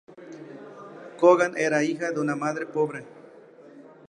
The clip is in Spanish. Kogan era hija de una madre pobre.